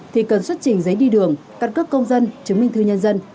thì cần xuất trình giấy đi đường căn cước công dân chứng minh thư nhân dân